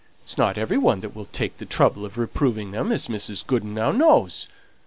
It's not every one that will take the trouble of reproving them, as Mrs. Goodenough knows.